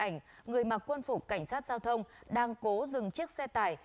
người mặc quân phục cảnh sát giao thông đang cố dừng chiếc xe tải